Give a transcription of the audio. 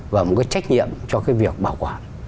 và một cái trách nhiệm cho cái việc bảo quản